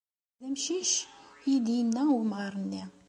D amcic?, ay d-yenna wemɣar-nni.